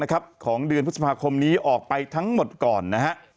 ของเดือนพฤษภาคมนี้ออกไปทั้งหมดก่อนนะฮะ